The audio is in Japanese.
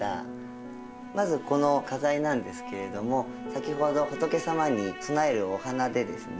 まずこの花材なんですけれども先ほど仏様に供えるお花でですね